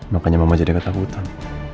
makanya mama jadi ketakutan